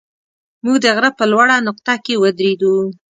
موږ د غره په لوړه نقطه کې ودرېدو.